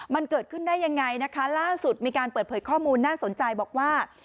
มันเกิดขึ้นได้ยังไงนะคะล่าสุดมีการเปิดเผยข้อมูลน่าสนใจบอกว่า